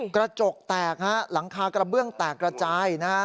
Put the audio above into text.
กระจกแตกฮะหลังคากระเบื้องแตกระจายนะฮะ